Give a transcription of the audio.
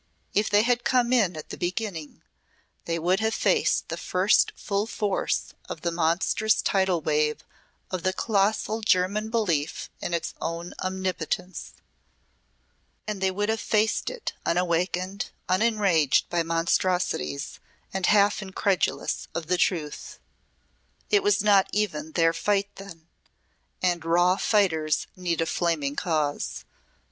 If they had come in at the beginning they would have faced the first full force of the monstrous tidal wave of the colossal German belief in its own omnipotence and they would have faced it unawakened, unenraged by monstrosities and half incredulous of the truth. It was not even their fight then and raw fighters need a flaming cause.